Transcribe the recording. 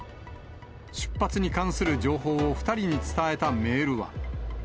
出発に関する情報を２人に伝えたメールは。